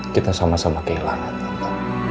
kita sama sama kehilangan allah